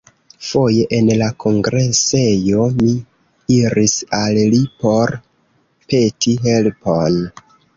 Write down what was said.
Foje en la kongresejo mi iris al li por peti helpon.